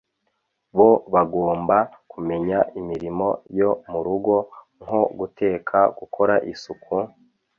bo bagomba kumenya imirimo yo mu rugo nko guteka, gukora isuku,